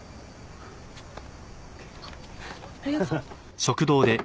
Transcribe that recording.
あっありがとう。